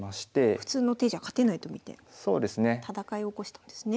普通の手じゃ勝てないと見て戦いを起こしたんですね。